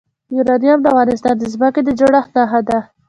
یورانیم د افغانستان د ځمکې د جوړښت نښه ده.